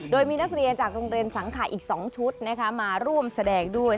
โดยมีนักเรียนจากโรงเรียนสังขะอีก๒ชุดมาร่วมแสดงด้วย